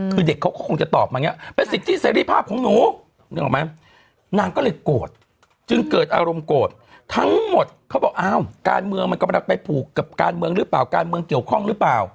คือเด็กเขาก็คงจะตอบมาอย่างนี้เป็นสิทธิเสรีภาพของหนู